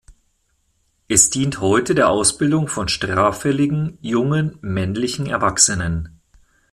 Es dient heute der Ausbildung von straffälligen jungen männlichen Erwachsenen.